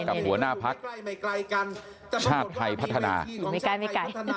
กับหัวหน้าพลักษณ์ชาติไทยพัฒนาไม่ไกลไม่ไกล